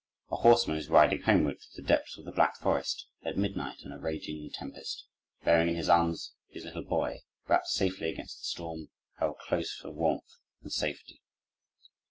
A horseman is riding homeward through the depths of the Black Forest at midnight in a raging tempest, bearing in his arms his little boy, wrapped safely against the storm, held close for warmth and safety.